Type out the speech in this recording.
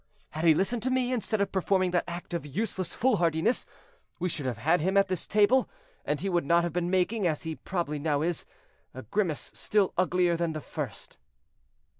Had he listened to me, instead of performing that act of useless foolhardiness, we should have had him at this table, and he would not have been making, as he probably now is, a grimace still uglier than the first."